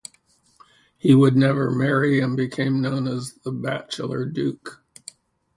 He would never marry and became known as "the bachelor duke".